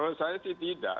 menurut saya sih tidak